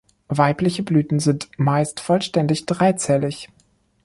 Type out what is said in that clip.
Weibliche Blüten sind meist vollständig dreizählig.